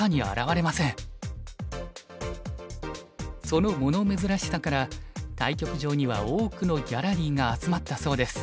その物珍しさから対局場には多くのギャラリーが集まったそうです。